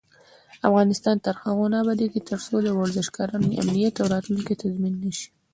افغانستان تر هغو نه ابادیږي، ترڅو د ورزشکارانو امنیت او راتلونکی تضمین نشي.